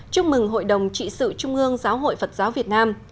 chúc mừng hội đồng trị sự trung ương giáo hội phật giáo việt nam